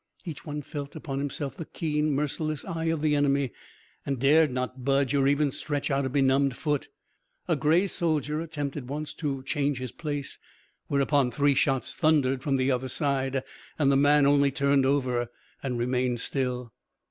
Each one felt upon himself the keen, merciless eye of the enemy and dared not budge or even stretch out a benumbed foot. A grey soldier attempted once to change his place, whereupon three shots thundered from the other side, and the man only turned over and remained still.